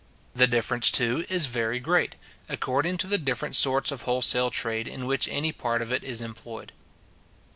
The difference, too, is very great, according to the different sorts of wholesale trade in which any part of it is employed.